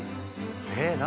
えっ何？